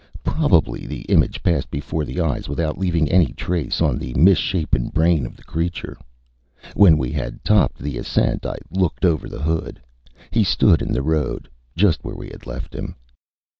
Probably the image passed before the eyes without leaving any trace on the misshapen brain of the creature. When we had topped the ascent I looked over the hood. He stood in the road just where we had left him.